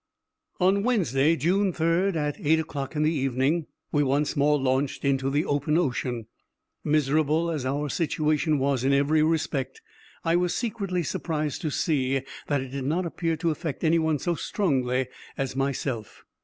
On Wednesday, June 3d, at eight o'clock in the evening, we once more launched into the open ocean. Miserable as our situation was in every respect, I was secretly surprised to see that it did not appear to affect any one so strongly as myself.